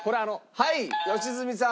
はい良純さん。